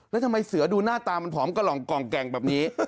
แล้วทำไมเสือดูหน้าตามันผอมกะหล่องกล่องแก่งแบบนี้